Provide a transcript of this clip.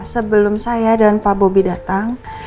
sebelum saya dan pak bobi datang